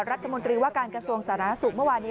รัฐมนตรีว่าการกระทรวงสาธารณสุขเมื่อวานี้